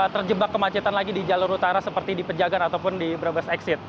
terjebak kemacetan lagi di jalur utara seperti di pejagan ataupun di brebes exit